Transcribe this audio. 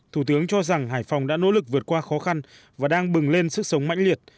thủ tướng cho rằng hải phòng đã nỗ lực vượt qua khó khăn và đang bừng lên sức sống mãnh liệt